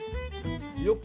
よっ！